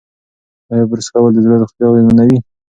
ایا برس کول د زړه روغتیا اغېزمنوي؟